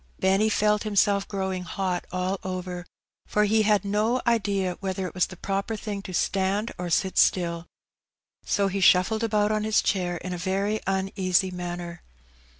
Benny felt himself growing hot all over, for he had no idea whether it was the proper thing to stand or sit stiU, so he shuffled about on his chair in a very uneasy manner.